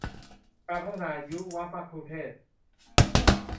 การพัฒนายุวมัคคุเทศก์